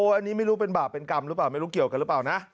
อันนี้ไม่รู้เป็นบาปเป็นกรรมหรือเปล่าไม่รู้เกี่ยวกันหรือเปล่านะ